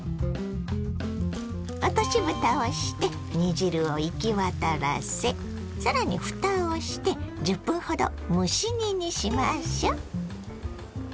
落としぶたをして煮汁を行き渡らせさらにふたをして１０分ほど蒸し煮にしましょ。